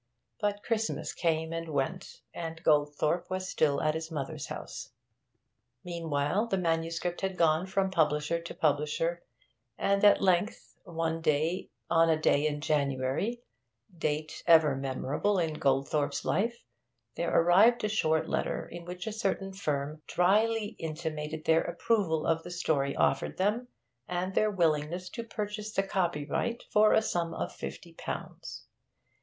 But Christmas came and went, and Goldthorpe was still at his mother's house. Meanwhile the manuscript had gone from publisher to publisher, and at length, on a day in January date ever memorable in Goldthorpe's life there arrived a short letter in which a certain firm dryly intimated their approval of the story offered them, and their willingness to purchase the copyright for a sum of fifty pounds.